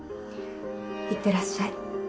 いってらっしゃい。